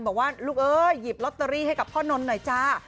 บอกว่าลูกเอ้ยหยิบลอตเตอรี่ให้กับพ่อนนท์หน่อยจ้า